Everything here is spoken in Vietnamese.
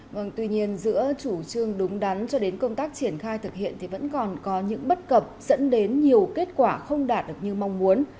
vâng tuy nhiên giữa chủ trương đúng đắn cho đến công tác triển khai thực hiện thì vẫn còn có những bất cập dẫn đến nhiều kết quả không đạt được như mong muốn